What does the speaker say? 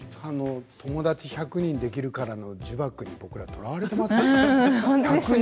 友達１００人できるかなの呪縛に僕らとらわれてますよね。